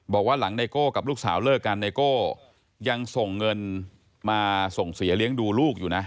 บอกว่าหลังไนโก้กับลูกสาวเลิกกันไนโก้ยังส่งเงินมาส่งเสียเลี้ยงดูลูกอยู่นะ